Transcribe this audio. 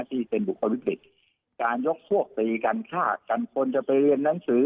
ที่เป็นบุคคลวิกฤติการยกพวกตีกันฆ่ากันคนจะไปเรียนหนังสือ